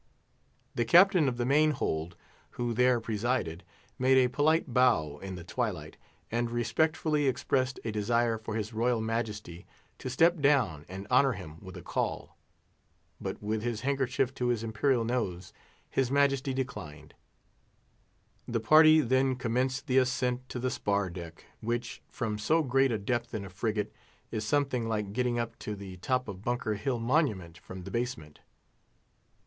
The Captain of the Main Hold, who there presided, made a polite bow in the twilight, and respectfully expressed a desire for His Royal Majesty to step down and honour him with a call; but, with his handkerchief to his Imperial nose, his Majesty declined. The party then commenced the ascent to the spar deck; which, from so great a depth in a frigate, is something like getting up to the top of Bunker Hill Monument from the basement.